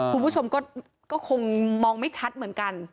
คุณผู้ชมก็คงมองไม่ชัดเหมือนกัน